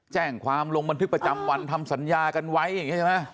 แจ้งความลงบันทึกประจำวันทำสัญญากันไว้อย่างนี้ใช่ไหม